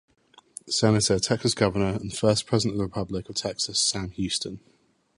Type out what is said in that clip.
Senator, Texas Governor, and first President of the Republic of Texas, Sam Houston.